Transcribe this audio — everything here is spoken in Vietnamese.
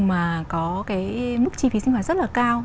mà có cái mức chi phí sinh hoạt rất là cao